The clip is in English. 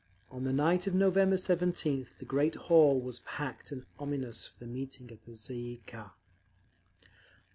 On the night of November 17th the great hall was packed and ominous for the meeting of the _Tsay ee kah.